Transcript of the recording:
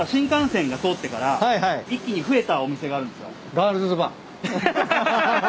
ガールズバー。